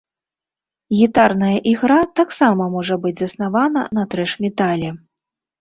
Гітарная ігра таксама можа быць заснавана на трэш-метале.